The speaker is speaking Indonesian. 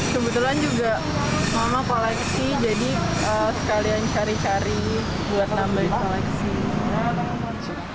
kebetulan juga mama koleksi jadi sekalian cari cari buat nambahin koleksi